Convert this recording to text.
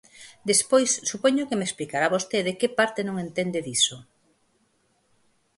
Despois supoño que me explicará vostede que parte non entende diso.